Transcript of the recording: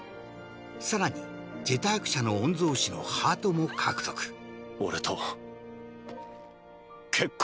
更に「ジェターク社」の御曹司のハートも獲得俺と結婚してくれ。